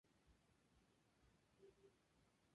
En la zona se encuentran varias embajadas.